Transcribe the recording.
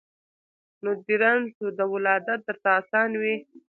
نو دي رنځ د ولادت درته آسان وي